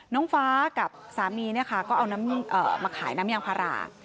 น้องฟ้ากับสามีเนี่ยค่ะก็เอามาขายน้ำยางพารา